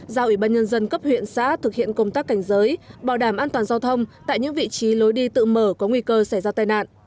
giao ủy ban nhân dân cấp huyện xã thực hiện công tác cảnh giới bảo đảm an toàn giao thông tại những vị trí lối đi tự mở có nguy cơ xảy ra tai nạn